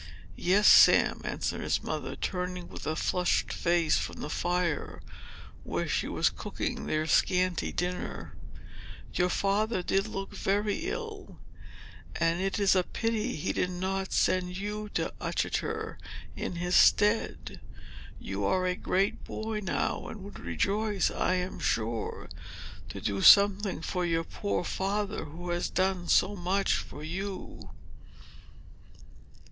"Yes, Sam," answered his mother, turning with a flushed face from the fire, where she was cooking their scanty dinner. "Your father did look very ill; and it is a pity he did not send you to Uttoxeter in his stead. You are a great boy now, and would rejoice, I am sure, to do something for your poor father, who has done so much for you."